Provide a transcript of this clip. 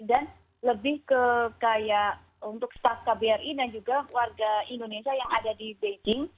dan lebih ke kayak untuk staff kbri dan juga warga indonesia yang ada di beijing